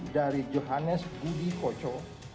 dari johannes budi kojo